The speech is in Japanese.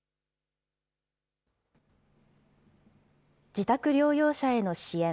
自宅療養者への支援。